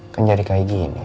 kan jadi kayak gini